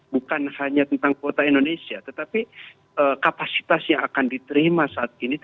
bukan hanya tentang kuota indonesia tetapi kapasitas yang akan diterima saat ini